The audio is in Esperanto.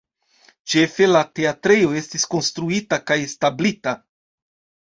Ĉefe la teatrejo estis konstruita kaj establita.